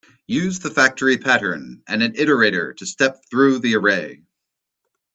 Use the factory pattern and an iterator to step through the array.